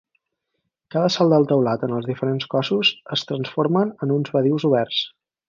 Cada salt del teulat en els diferents cossos es transformen en uns badius oberts.